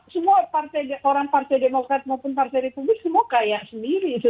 semua orang partai demokrat maupun partai republik semua kaya sendiri